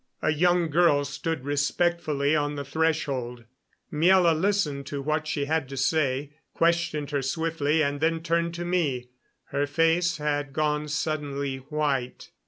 A young girl stood respectfully on the threshold. Miela listened to what she had to say, questioned her swiftly, and then turned to me. Her face had gone suddenly white.